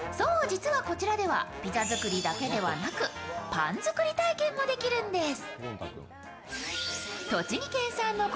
実はこちらではピザ作りだけではなく、パン作り体験もできるんです。